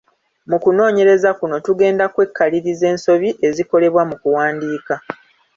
Mu kunoonyereza kuno tugenda kwekaliriza ensobi ezikolebwa mu kuwandiika.